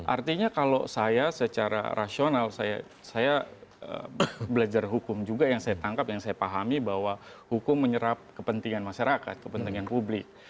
artinya kalau saya secara rasional saya belajar hukum juga yang saya tangkap yang saya pahami bahwa hukum menyerap kepentingan masyarakat kepentingan publik